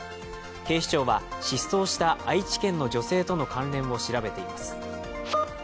警視庁は、失踪した愛知県の女性との関連を調べています。